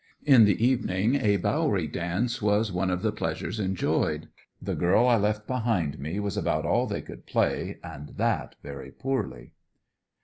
In the evening a Bowery dance was one of the pleasures enjoyed. "The Girl I Left Behind Me," was about all they could play, and that very poorly.